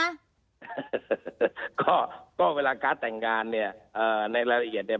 อ่าก็ก็เวลาการ์ดแต่งงานเนี่ยเอ่อในรายละเอียดเนี่ย